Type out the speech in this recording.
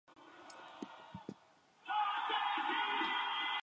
Fue un villano sin nombre al principio, pero más tarde consiguió un nombre.